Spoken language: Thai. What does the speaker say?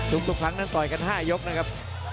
หยุมทุกครั้งต่อยกัน๕ยกนะครับ